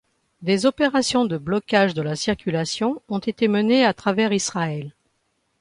Des opérations de blocage de la circulation ont été menées à travers Israël.